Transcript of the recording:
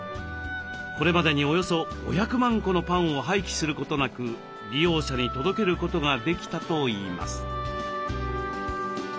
これまでにおよそ５００万個のパンを廃棄することなく利用者に届けることができたといいます。